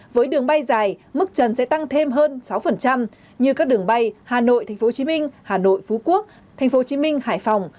với đường bay dài mức trần sẽ tăng thêm hơn sáu như các đường bay hà nội tp hcm hà nội phú quốc tp hcm hải phòng